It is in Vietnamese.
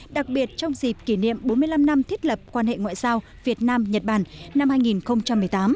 đặc biệt trong dịp kỷ niệm bốn mươi năm năm thiết lập quan hệ ngoại giao việt nam nhật bản năm hai nghìn một mươi tám